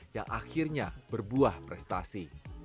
yang akhirnya berbuah prestasi